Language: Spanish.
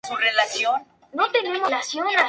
Esta invitación tardaría años en concretarse.